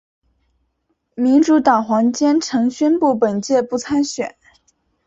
民主党黄坚成宣布本届不参选。